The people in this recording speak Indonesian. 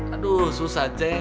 aduh susah ceng